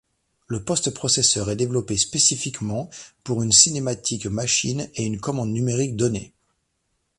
Le post-processeur est développé spécifiquement pour une cinématique machine et une commande numérique données.